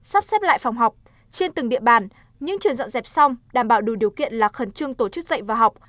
sắp xếp lại phòng học trên từng địa bàn nhưng trường dọn dẹp xong đảm bảo đủ điều kiện là khẩn trương tổ chức dạy và học